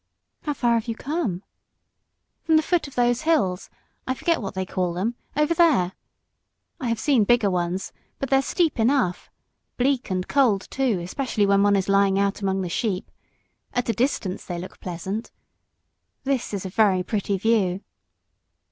"How far have you come?" "From the foot of those hills I forget what they call them over there. I have seen bigger ones but they're steep enough bleak and cold, too, especially when one is lying out among the sheep. At a distance they look pleasant. This is a very pretty view."